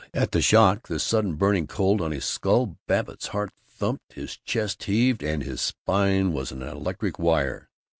At the shock, the sudden burning cold on his skull, Babbitt's heart thumped, his chest heaved, and his spine was an electric wire.